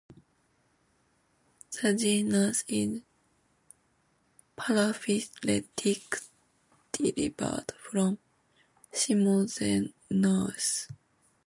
The genus is paraphyletic, derived from "Simosthenurus".